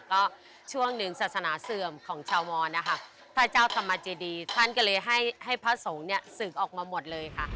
ก็ช่วงหนึ่งศาสนาเสื่อมของชาวมรนะคะพระเจ้าธรรมเจดีท่านก็เลยให้พระสงฆ์เนี่ยศึกออกมาหมดเลยค่ะ